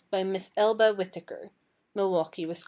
by Miss Elba Whittaker, Milwaukee, Wis.